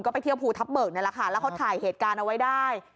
ไปเที่ยวภูทับเบิกนี่แหละค่ะแล้วเขาถ่ายเหตุการณ์เอาไว้ได้